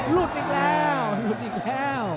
หลุดอีกแล้วหลุดอีกแล้ว